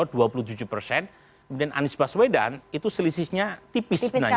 kemudian anies baswedan itu selisihnya tipis sebenarnya